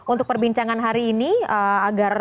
untuk perbincangan hari ini agar